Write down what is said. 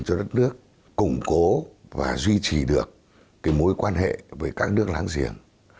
cho đất nước củng cố và duy trì được mối quan hệ với các nước láng giềng